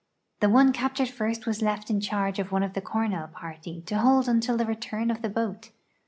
The one captured first was left in charge of one of the Cornell party to hold until the return of the boat.